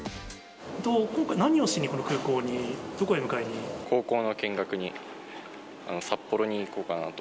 今回、何をしに空港に、高校の見学に、札幌に行こうかなと。